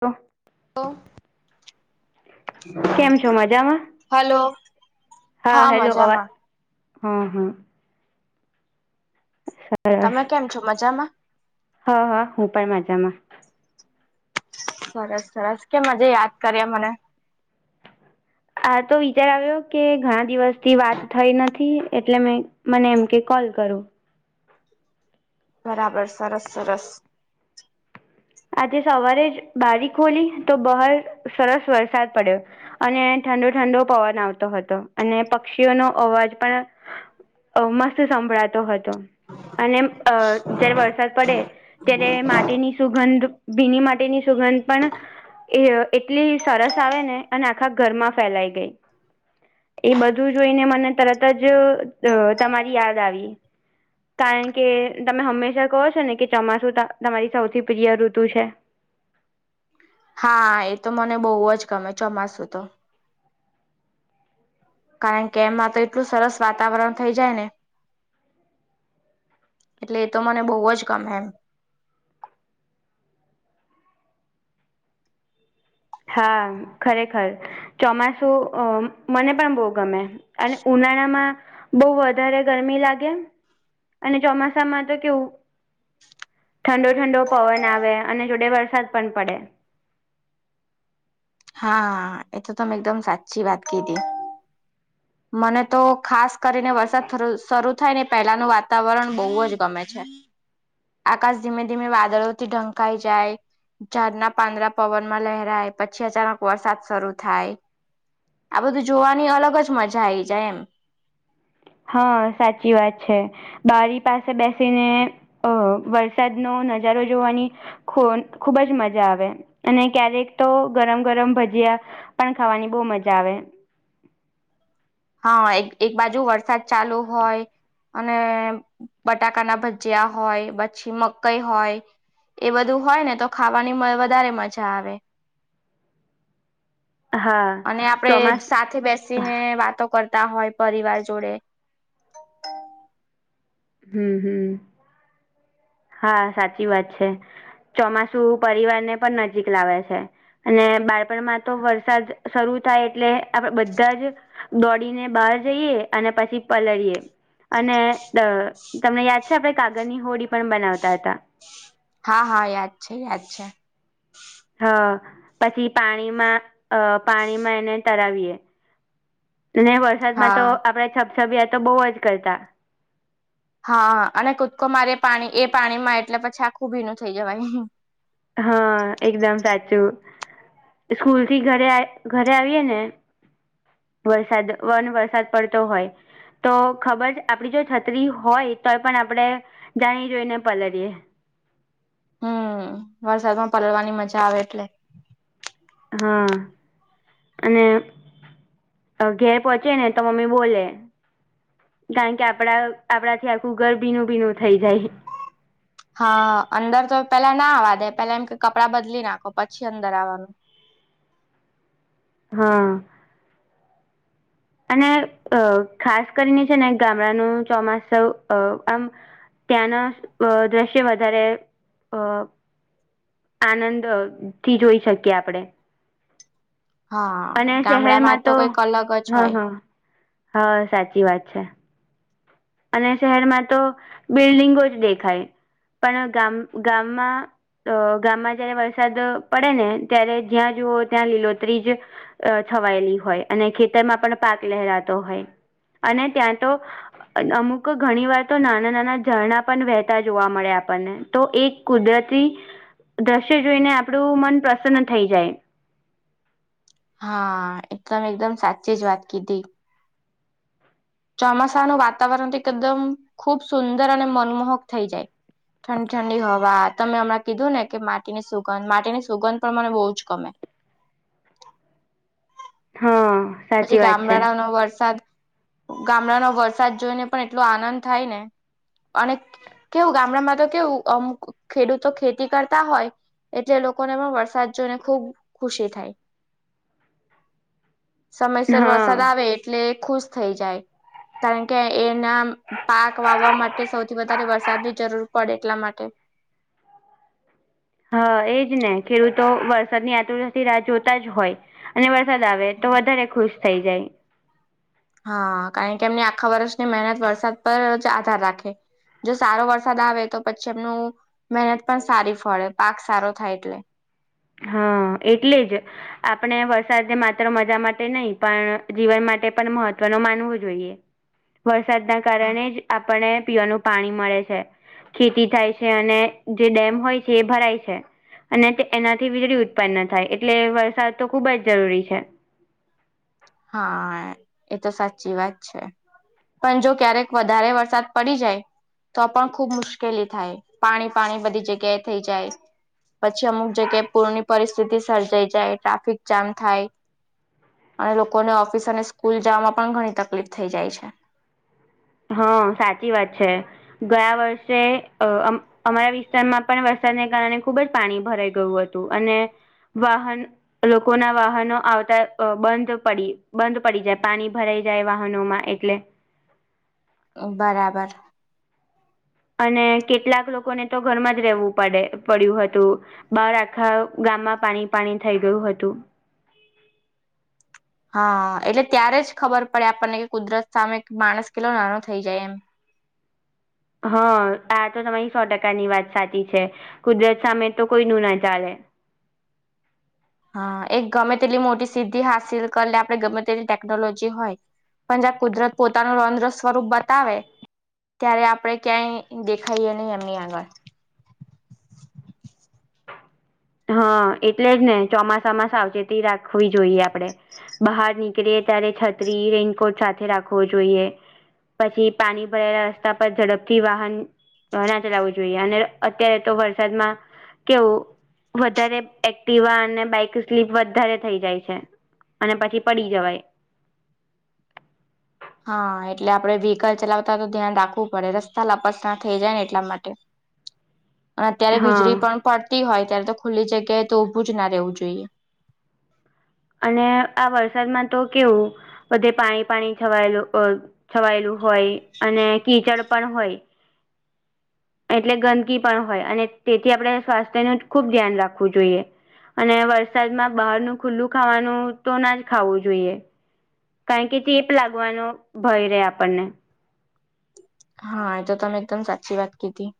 તો [unintelligible] તો. કેમ છો મજામાં હલો હા હેલો અવાજ હં હં. તમે કેમ છો મજામાં હ હા હું પણ માજામાં. સરસ સરસ કેમ આજે યાદ કરીયા મને. આ તો વિચાર આવ્યો કે ઘણા દિવસથી વાત થઈ નથી એટલે મેં મને એમ કે કોલ કરું. બરાબર સરસ સરસ. આજે સવારે જ બારીક ખોલી તો બહાર સરસ વરસાદ પડ્યો. અને ઠંડો ઠંડો પવન આવતો હતો અને પક્ષીઓનો અવાજ પણ અ મસ્ત સંભળાતો હતો અને અ જયારે વરસાદ પડે ત્યારે માટીની સુગંધ ભીની માટીની સુગંધ પણ એ એટલી સરસ આવે ને અને આખા ઘરમાં ફેલાઈ ગઈ. એ બધું જોઈને મને તરત જ અ તમારી યાદ આવી. કારણ કે તમે હંમેશા કહો છો ને કે ચોમાસુ અ તમારી સૌથી પ્રિય ઋતુ છે. હા એ તો મને બહુ જ ગમે ચોમાસું તો. કારણ કે એમાં તો એટલું સરસ વાતાવરણ થઈ જાય ને. એટલે એ તો મને બહુ જ ગમે એમ. હા ખરેખર. ચોમાસું અ મને પણ બહુ ગમે અને ઉનાળામાં બહુ વધારે ગરમી લાગે અને ચોમાસામાં તો કેવું ઠંડો ઠંડો પવન આવે અને જોડે વરસાદ પણ પડે. હા એ તો તમેં એકદમ સાચી વાત કીધી. [inaudible] મને તો ખાસ કરીને વરસાદ થરુ શરૂ થાય ને પહેલાનું વાતાવરણ બહુ જ ગમે છે. [inaudible] આકાશ ધીમે ધીમે વાદળોથી ઢંકાાય જાય. ઝાર ના પાંદરા પવન માં લહેરાય પછી. છે અચાનક વરસાદ શરૂ થાય આ બધું જોવાની અલગ જ મજા આઈ જાય એમ. હા સાચી વાત છે. બારી પાસે બેસીને અ વરસાદનો નજારો જોવાની ખૂન ખૂબ જ મજા આવે અને ક્યારેક તો ગરમ ગરમ ભજીયા પણ ખાવાની બહુ મજા આવે. હા એક એક બાજુ વરસાદ ચાલુ હોય. અને બટાકાના ભજીયા હોય પછી મકઈ હોય. એ બધું હોય ને તો ખાવાની મ વધારે મજા આવે. હા અને આપડે ચોમાસ સાથે બેસ. બેસીને વાતો કરતા હોય પરિવાર જોડે હમ હમ હા સાચી વાત છે. ચોમાસુ પરિવાર ને પણ નજીક લાવે છે. અને બાળપણમાં તો વરસાદ શરૂ થાય એટલે આપડે બધા જ દોડીને બહાર જઈએ અને પછી પલળીએ અને તમને યાદ છે આપડે કાગળની હોડી પણ બનાવતા હતા હા હા યાદ છે યાદ છે હ પછી પાણીમાં અ પાણીમાં એને તરાવીએ ને વરસાદમાં તો હા આપડે છપછબીયા તો બહુ જ કરતા હા અને કૂદકો મારે પાણી એ પાણીમાં એટલે પછી આખું ભીનું થઇ જવાય હા એકદમ સાચું સ્કૂલ થી ઘરે ઘરે આવીએ ને વરસાદ વન વરસાદ પડતો હોય તો ખબર છે આપડી જો છત્રી હોય તોય પણ આપડે જાણી જોઈને પલળીએ હમ વરસાદમાં પલવાની મજા આવે એટલે હા અને ઘેર પહોંચે ને તો મમ્મી બોલે કારણ કે આપડા આપડાથી આખું ઘર ભીનું ભીનું થઈ જાય હા અંદર તો પેલા ના આવા દે પેલા એમ કે કપડાં બદલી નાખો પછી અંદર આવાનું હા અને અ ખાસ કરીને છે ને ગામડાનું ચોમાસું અ આમ ત્યાંના દ્રશ્ય વધારે અ આનંદ થી જોઈ શકીએ આપડે હા અને ગામડામાં શહેરમાં તો કઈક અલગ જ હા હોય હા હા સાચી વાત છે અને શહેરમાં તો બિલ્ડિંગો જ દેખાય પણ ગામ ગામમાં તો ગામમાં જયારે વરસાદ પડે ને ત્યારે જ્યાં જુઓ ત્યાં લીલોત્રી જ અ છવાયેલી હોય અને ખેતરમાં પણ પાક લહેરાતો હોય અને ત્યાં તો અમુક ઘણી વાર તો નાના નાના ઝરણા પણ વહેતા જોવા મળે આપણને તો એક કુદરતી દ્રશ્ય જોઈને આપડું મન પ્રસન્ન થઈ જાય હા એકદમ એકદમ સાચી જ વાત કીધી ચોમાસાનું વાતાવરણ તો એકદમ ખુબ સુંદર અને મનમોહક થઈ જાય ઠંડી ઠંડી હવા તમે હમણાં કીધું ને કે માટીની સુગંધ માટીની સુગંધ પણ મને બહુ જ ગમે હા પછી સાચી વાત છે ગામડાડા નો વરસાદ ગામડાનો વરસાદ જોઈને પણ એટલો આનંદ થાય ને અને કેવું ગામડામાં તો કેવું અમુક ખેડૂતો ખેતી કરતા હોય એટલે લોકોને પણ વરસાદ જોઈને ખુબ ખુશી થાય સમયસર વરસાદ હા આવે એટલે ખુશ થઈ જાય કારણ કે એના પાક વાવા માટે સૌથી વધારે વરસાદની જરૂર પડે એટલા માટે હા એજ ને ખેડૂતો વરસાદની આતુરતાથી રાહ જોતા જ હોય અને વરસાદ આવે તો વધારે ખુશ થઈ જાય હા કારણ કે એમને આખા વર્ષની મહેનત વરસાદ પર જ આધાર રાખે જો સારો વરસાદ આવે તો પછી એમનું મહેનત પણ સારી ફળે પાક સારો થાય એટલે હા એટલે જ આપણે વરસાદ માત્ર મજા માટે નહી પણ જીવન માટે પણ મહત્વ ન માનવું જોઈએ વરસાદના કારણે જ આપણને પીવાનું પાણી મળે છે ખેતી થાય છે અને જે ડેમ હોય છે એ ભરાય છે અને તે એના થી વીજળી ઉત્પન્ન થાય એટલે વરસાદ તો ખુબ જ જરૂરી છે હા એ તો સાચી વાત છે પણ જો ક્યારેક વધારે વરસાદ પડી જાય તો પણ ખુબ મુશ્કેલી થાય પાણી પાણી બધી જગ્યાએ થઈ જાય પછી અમુક જગ્યાએ પૂરની પરિસ્થિતિ સર્જાઈ જાય ટ્રાફિક જામ થાય અને લોકોને ઓફિસ અને સ્કૂલ જવામાં પણ ઘણી તકલીફ થઈ જાય છે હા સાચી વાત છે. ગયા વર્ષે અ અમારા વિસ્તારમાં પણ વરસાદને કારણે ખુબ જ પાણી ભરાઈ ગયું હતું. અને વાહન લોકોના વાહનો આવતા બંધ પડી બંધ પડી જાય પાણી ભરાઈ જાય વાહનોમાં એટલે બરાબર. અને કેટલાક લોકોને તો ઘરમાં જ રહેેવું પડે પડ્યું હતું. બાર આખા ગામમાં પાણી, પાણી થઈ ગયું હતું. હા એટલે ત્યારે જ ખબર પડે આપણને કે કુદરત સામે માણસ કેટલો નાનો થઈ જાય એમ. હા આ તો તમારી સો ટકાની વાત સાચી છે કુદરત સામે તો કોઈ નું, ના ચાલે. હા, એક ગમે તેટલી મોટી સિદ્ધિ હાંસિલ કરી આપણે ગમે તેટલી ટેકનોલોજી હોય. પણ જ્યાં કુદરત પોતાનું રોદ્ર સ્વરૂપ બતાવે ત્યારે આપણે ક્યાંય દેખાઈએ નહીં એમની આગળ. હા, એટલે જને ચોમાસામાં સાવચેતી રાખવી જોઈએ આપડે. બહાર નીકળે ત્યારે છત્રી રેઇનકોટ સાથે રાખવો જોઈએ. પછી પાણી ભરાયેલા રસ્તા પર ઝડપથી વાહન ના ચલાવવું જોઈએ, અને અત્યારે તો વરસાદમાં કેવું. વધારે એક્ટિવા અને બાઈક સ્લીપ વધારે થઈ જાય છે. અને પછી પડી જવાય. હા એટલે આપડે વ્હીકલ ચલાવતા તો ધ્યાન રાખવું પડે રસ્તા લપાસણા થઇ જાયને એટલા માટે. [inaudible] અત્યારે હા વીજળી પણ પડતી હોય, ત્યારે તો ખુલ્લી જગ્યાએ તો ઊભું જના રહેવું જોઈએ. અને આ વરસાદમાં તો કેવું બધે પાણી પાણી છવાયેલું છવાયેલું હોય અને કીચડ પણ હોય. એટલે, ગંદકી પણ હોય અને તેથી આપણે સ્વાસ્થ્યનું જ ખુબ ધ્યાન રાખવું જોઈએ. અને વરસાદમાં બહારનું ખુલ્લું ખાવાનું તોના જ ખાવું જોઈએ. કારણકે, ચેપ લાગવાનો ભય રહે આપણને. હા, એતો તમે એકદમ સાચી વાત કીધી.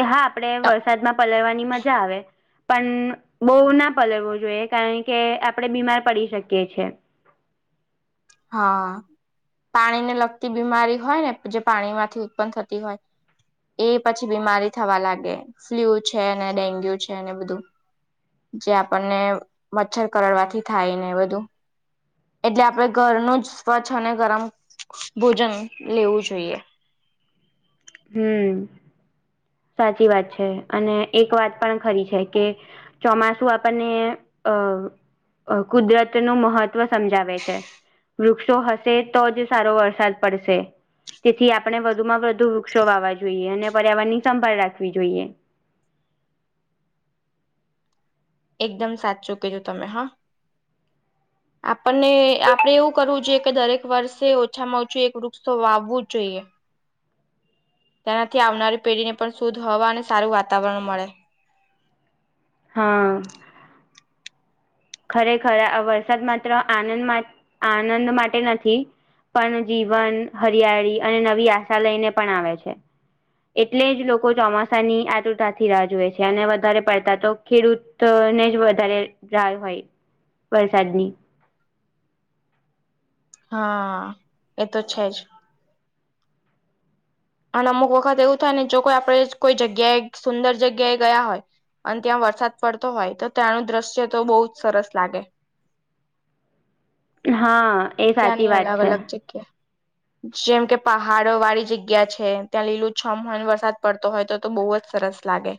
એહા આપડે વરસાદમાં પલળવાની મજા આવે. પણ બહુના પલળવો જોઈએ કારણકે આપણેે બીમાર પડી શકીએ છીએ. હા, પાણીને લગતી બીમારી હોય નેજે પાણીમાંથી ઉત્પન થતી હોય. એ પછી બીમારી થવા લાગે ફ્લુ છે, ડેન્ગ્યુ છે, બધું જે આપણને મચ્છર કરડવાથી થાયને, બધું એટલે આપડે ઘરનું જ સ્વચ્છ અને ગરમ ભોજન લેવું જોઈએ હું સાચી વાત છે, અને એક વાત પણ ખરી છે કે ચોમાસું આપણને અ કુદરતનું મહત્વ સમજાવે છે. વૃક્ષો હશે તોજ સારો વરસાદ પડશે, તેથી આપણે વધુમાં વધુ વૃક્ષો વાવા જોઈએ, અને પર્યાવરણની સંભાળ રાખવી જોઈએ. એકદમ સાચું કીધું તમે હો. [inaudible] આપણને આપડે એવું કરવું જોઈએ, કે દરેક વર્ષે ઓછામાં ઓછું એક વૃક્ષો વાવવું જ જોઈએ. તેનાથી આવનારી પેઢી ને પણ શુધ્ધ હવા અને સારું વાતાવરણ મળે. હા ખરેખર આ વરસાદ માત્ર આનંદ આનંદ માટે નથી પણ જીવન હરિયાળી અને નવી આશા લઈને પણ આવે છે. એટલે જ લોકો ચોમાસાની આતુરતાથી રાહજોએ છે, અને વધારે પડતાતો ખેડૂત તોને જ વધારે ડાય હોય વરસાદની હા એતો છે જ અને અમુક વખત એવું થાય નેજો કોઈ આપડે કોઈ જગ્યાએ સુંદર જગ્યાએ ગયા હોય. અને ત્યાં વરસાદ પડતો હોયતો ત્યાંનું દ્રશ્યતો બહુ જ સરસ લાગે. હાએ સાચી વાત છે. એ કે. [inaudible] જેમકે પહાડો વાળી જગ્યા છે, ત્યાં લીલુંછમ હોય ને વરસાદ પડતો હોય તોતો બહુ જ સરસ લાગે.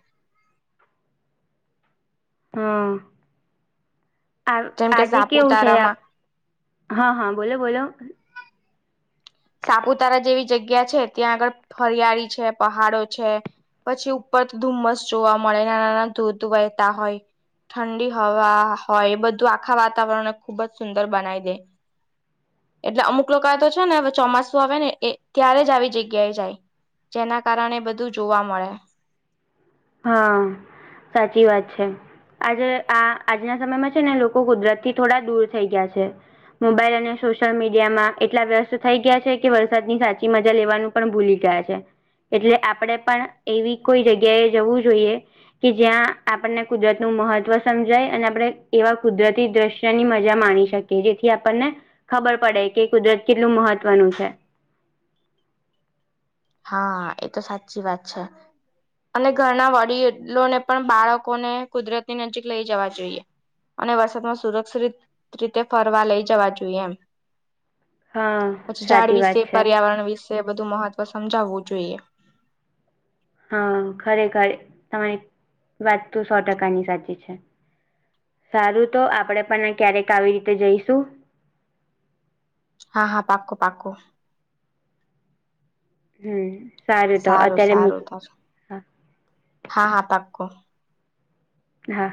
હમ્મ આ જેમ કે આજે કેવું છે. સાપુતારામાં હા, હા, બોલો, બોલો. સાપુતારા જેવી જગ્યા છે, ત્યાં આગળ હરિયાળી છે, પહાડો છે, પછી ઉપર તો ધુમ્મસ જોવા મળે, નાના નાના ધોધ વહેતા હોય. ઠંડી હવા હોય બધું આખા વાતાવરણને ખુબ જ સુંદર બનાવી દે. એટલે અમુક લોકો તો છે ને ચોમાસું આવે ને એ ત્યારે જ આવી જગ્યાએ જાય જેના કારણે બધું જોવા મળે. હા સાચી વાત છે. આજે આ આજના સમયમાં છે ને લોકો કુદરત થી થોડા દૂર થઈ ગયા છે. મોબાઈલ અને સોશિયલ મીડિયામાં એટલા વ્યસ્ત થઈ ગયા છે કે વરસાદની સાચી મજા લેવાનું પણ ભૂલી ગયા છે એટલે આપણેે પણ એવી કોઈ જગ્યાએ જવું જોઈએ. કે જ્યાં આપણને કુદરત નું મહત્વ સમજાય અને આપણે એવા કુદરતી દ્રશ્યની મજા માણી શકીએ. કે જેથી આપણને ખબર પડે કે કુદરત કેટલું મહત્વનું છે. હા એ તો સાચી વાત છે. અને ઘરના વડીલોને પણ બાળકોને કુદરતની નજીક લઈ જવા જોઈએ. અને વરસાદમાં સુરક્ષિત રીતે ફરવા લઈ જવા જોઈએ એમ. હા પછી ઝાડ સાચી વાત વિશે છે પર્યાવરણ વિશે બધું મહત્વ સમજાવવું જોઈએ. હા ખરેખર તમારી વાત તો સો ટકાની સાચી છે. સારું તો આપડે પણ ક્યારેક આવી રીતે જઈશું. હા હા પાકું -પાકું. હમન સારું તો અત્યારે મક હા-હા પાકું. હા.